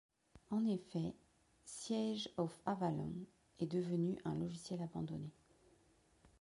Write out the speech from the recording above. En effet, Siege of Avalon est devenu un logiciel abandonné.